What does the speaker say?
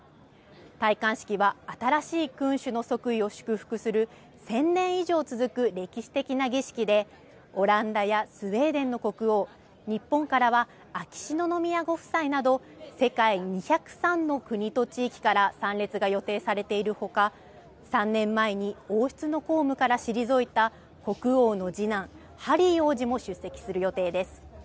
戴冠式は新しい君主の即位を祝福する１０００年以上続く歴史的な儀式で、オランダやスウェーデンの国王、日本からは秋篠宮ご夫妻など、世界２０３の国と地域から参列が予定されているほか、３年前に王室の公務から退いた国王の次男、ハリー王子も出席する予定です。